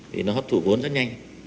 thì nó hấp thủ vốn rất nhanh